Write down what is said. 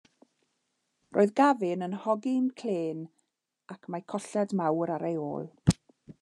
Roedd Gavin yn hogyn clên ac mae colled mawr ar ei ôl.